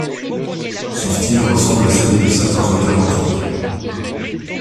Son style ressemble à celui de certains auteurs antiques.